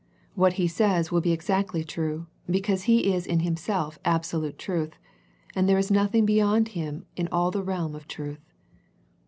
What He says will be exactly true, because He is in Himself absolute truth, and there is nothing beyond Him in all the realm of truth.